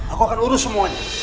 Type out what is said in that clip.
aku akan urus semuanya